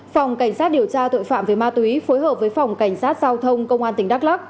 phòng cảnh sát điều tra tội phạm về ma túy phối hợp với phòng cảnh sát giao thông công an tỉnh đắk lắc